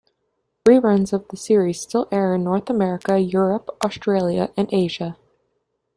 Re-runs of the series still air in North America, Europe, Australia and Asia.